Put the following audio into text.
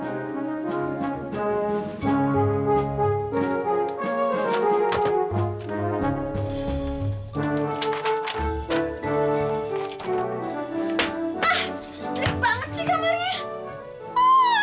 ah jelek banget sih kamarnya